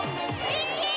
・ミッキー！